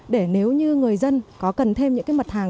để nếu như người dân có cần thêm những cái mặt hàng